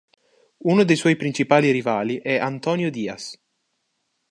Uno dei suoi principali rivali è Antonio Díaz.